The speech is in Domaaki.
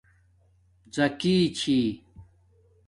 زَکی چھی